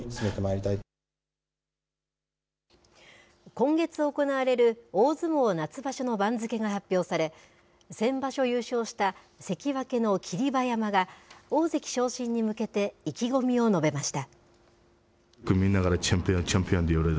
今月行われる大相撲夏場所の番付が発表され、先場所優勝した関脇の霧馬山が、大関昇進に向けて意気込みを述べました。